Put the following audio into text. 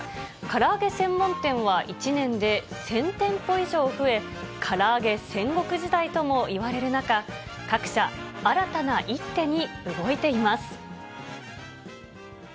から揚げ専門店は、１年で１０００店舗以上増え、から揚げ戦国時代ともいわれる中、各社、新たな一手に動いています。